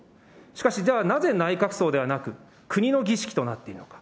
しかし、ではなぜ内閣葬ではなく、国の儀式となっているのか。